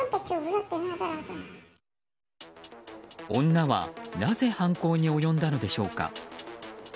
女はなぜ犯行に及んだのでしょうか。